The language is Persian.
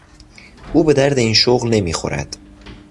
او به درد این شغل نمیخورد.